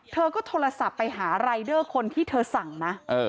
เธอก็โทรศัพท์ไปหารายเดอร์คนที่เธอสั่งนะ